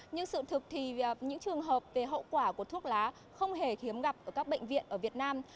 nhưng sự thực thì những trường hợp về hậu quả của thuốc lá không hề khiếm gặp ở các bệnh viện ở việt nam